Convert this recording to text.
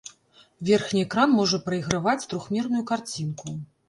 Верхні экран можа прайграваць трохмерную карцінку.